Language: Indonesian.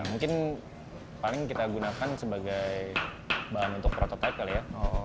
mungkin paling kita gunakan sebagai bahan untuk prototipe kali ya